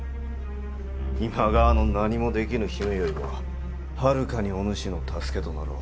今川の何もできぬ姫よりもはるかにお主の助けとなろう。